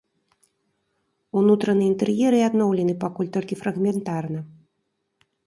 Унутраны інтэр'ер і адноўлены пакуль толькі фрагментарна.